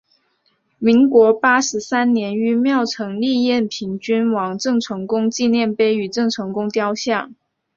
民国八十三年于庙埕立延平郡王郑成功纪念碑与郑成功雕像。